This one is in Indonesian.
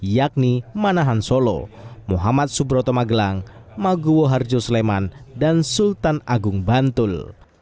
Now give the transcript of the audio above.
yakni manahan solo muhammad subroto magelang maguwo harjo sleman dan sultan agung bantul